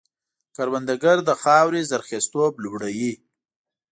کروندګر د خاورې زرخېزتوب لوړوي